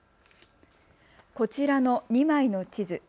こちらの２枚の地図。